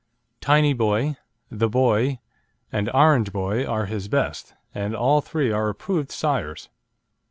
Tiny Boy, The Boy, and Orange Boy are his best, and all three are approved sires.